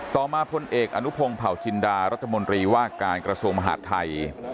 ต่อมาพลเอกอนุพงศ์เผาจินดารัฐมนตรีว่าการกระทรวงมหาดไทย